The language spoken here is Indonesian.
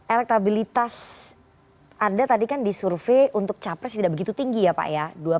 elektabilitas anda tadi kan disurvey untuk capres tidak begitu tinggi ya pak ya